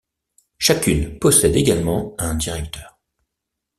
Chacune possède également un directeur.